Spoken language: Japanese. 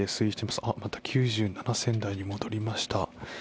また９７銭台に戻りました。